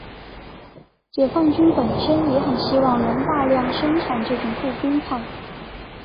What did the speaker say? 解放军本身也很希望能大量生产这种步兵炮。